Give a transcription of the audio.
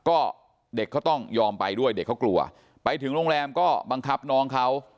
ก็เด็กเขาต้องยอมไปด้วยเด็กเขากลัวไปถึงโรงแรมก็บังคับน้องเขา